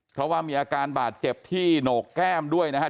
เพราะว่ามีอาการบาดเจ็บที่โหนกแก้มด้วยนะครับ